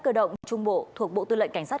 cơ động trung bộ thuộc bộ tư lệnh cảnh sát